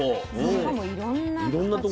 しかもいろんな形と。